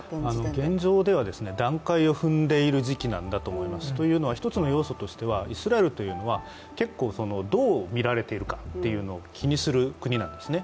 現状では段階を踏んでいる時期なんだと思います、一つの要素としてはイスラエルというのは結構、どう見られているのかを気にする国なんですね。